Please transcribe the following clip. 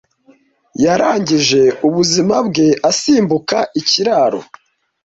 Yarangije ubuzima bwe asimbuka ikiraro.